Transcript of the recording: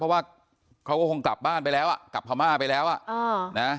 เพราะว่าเขาก็คงกลับบ้านไปแล้วอ่ะกลับพม่าไปแล้วอ่ะนะ